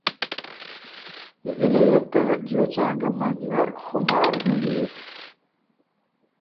غِلئ ال ته دیو څانګه منځ نر خمار هېنيېک۔